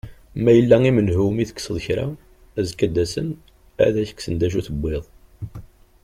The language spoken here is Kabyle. Ma yella i menhu umi tekseḍ kra, azekka ad d-asen ad ak-ksen d acu tewwiḍ.